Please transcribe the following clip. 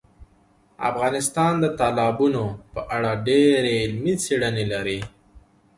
افغانستان د تالابونو په اړه ډېرې علمي څېړنې لري.